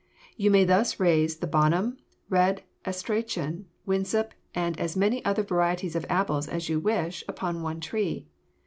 You may thus raise the Bonum, Red Astrachan, Winesap, and as many other varieties of apples as you wish, upon one tree.